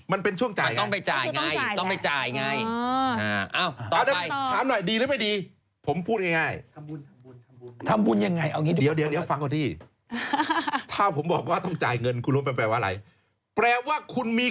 มันเป็นช่วงจ่ายไงต้องไปจ่ายไงต้องไปจ่ายไงอ้าวต่อไปต่อ